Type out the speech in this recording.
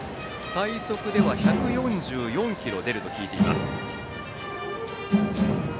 最速では１４４キロ出ると聞いています。